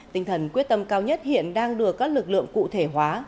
tinh thần quyết tâm cao nhất hiện đang đưa các lực lượng cụ thể hóa